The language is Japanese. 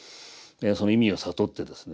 その意味を悟ってですね